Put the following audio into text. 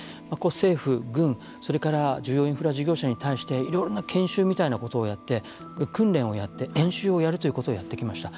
政府、軍、それから重要インフラ事業者に対して、いろいろな研修みたいなことをやって訓練をやって、演習をやるということをやってきました。